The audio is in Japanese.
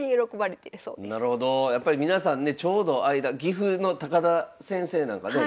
やっぱり皆さんねちょうど間岐阜の田先生なんかね